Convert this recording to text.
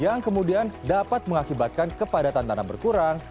yang kemudian dapat mengakibatkan kepadatan tanam berkurang